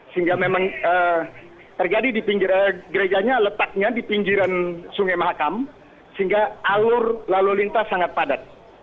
sehingga memang terjadi di pinggir gerejanya letaknya di pinggiran sungai mahakam sehingga alur lalu lintas sangat padat